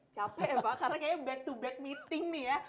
capek ya pak karena kayaknya back to back meeting nih ya